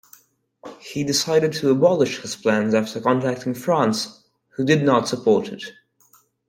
He decided to abolish his plans after contacting France, who did not support it.